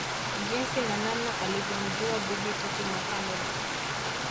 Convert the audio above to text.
jinsi na namna alivyomjua Bibi Titi Mohamed